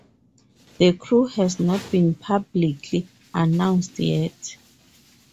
The crew has not been publicly announced yet.